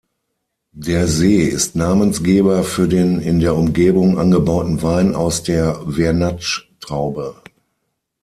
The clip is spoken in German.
Der See ist Namensgeber für den in der Umgebung angebauten Wein aus der Vernatsch-Traube.